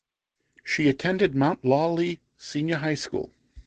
She attended Mount Lawley Senior High School.